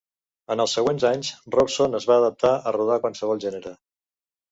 En els següents anys, Robson es va adaptar a rodar qualsevol gènere.